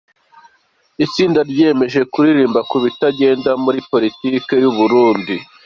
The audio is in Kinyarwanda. itsinda ryiyemeje kuririmba ku bitagenda muri politiki y’u Burundi